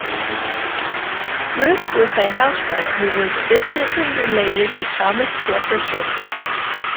Ruth was a housewife who was distantly related to Thomas Jefferson.